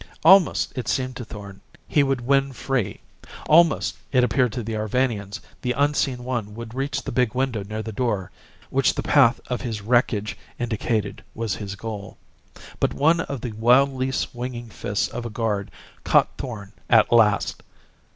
Almost, it seemed to Thorn, he would win free. Almost, it appeared to the Arvanians, the unseen one would reach the big window near the door which the path of his wreckage indicated was his goal. But one of the wildly swinging fists of a guard caught Thorn at last.